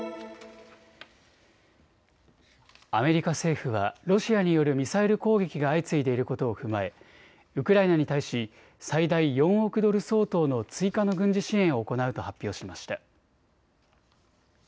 アメリカ政府はロシアによるミサイル攻撃が相次いでいることを踏まえウクライナに対し最大４億ドル相当の追加の軍事支援を行うと発表しました。